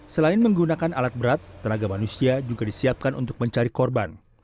selain menggunakan alat berat tenaga manusia juga disiapkan untuk mencari korban